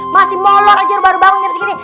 masih molor ajar baru bangun jam segini